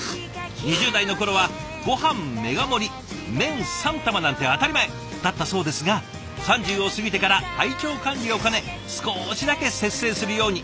２０代の頃はごはんメガ盛り麺３玉なんて当たり前だったそうですが３０を過ぎてから体調管理を兼ね少しだけ節制するように。